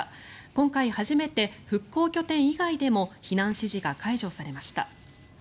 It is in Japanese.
今回初めて復興拠点以外でも避難指示が解除されました。